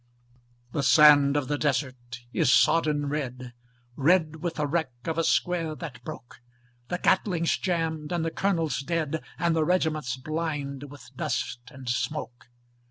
The sand of the desert is sodden red, Red with the wreck of a square that broke; The Gatling's jammed and the colonel dead, And the regiment blind with dust and smoke.